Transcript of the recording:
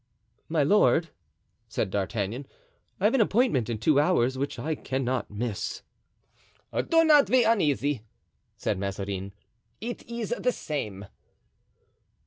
"My lord," said D'Artagnan, "I have an appointment in two hours which I cannot miss." "Do not be uneasy," said Mazarin; "it is the same."